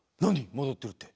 戻ってるって。